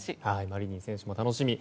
マリニン選手も楽しみ。